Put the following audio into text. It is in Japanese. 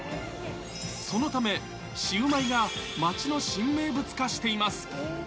そのため、シウマイが街の新名物化しています。